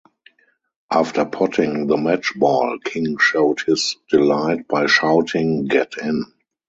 After potting the match ball, King showed his delight by shouting "Get in".